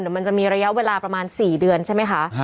มันจะมีระยะเวลาประมาณ๔เดือนใช่ไหมคะ